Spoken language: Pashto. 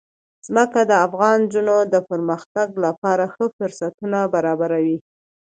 ځمکه د افغان نجونو د پرمختګ لپاره ښه فرصتونه برابروي.